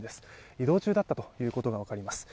移動中だったということが分かります。